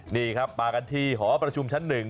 นี่ครับมากันที่หอประชุมชั้น๑